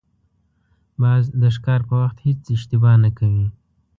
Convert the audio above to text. باز د ښکار په وخت هېڅ اشتباه نه کوي